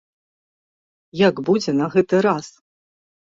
Як будзе на гэты раз?